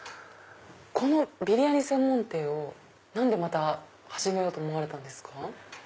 ビリヤニ専門店を何でまた始めようと思われたんですか？